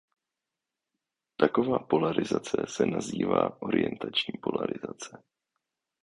Taková polarizace se nazývá orientační polarizace.